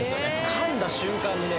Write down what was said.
噛んだ瞬間にね